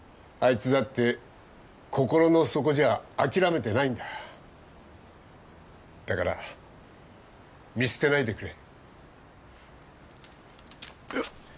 いつだって心の底じゃ諦めてないんだだから見捨てないでくれ